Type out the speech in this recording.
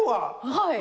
はい。